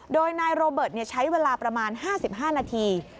โดยนายโรเบิร์ตเนี่ยใช้เวลาประมาณห้าสิบห้านาที